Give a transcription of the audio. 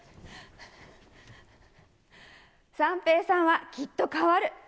三平さんはきっと変わる。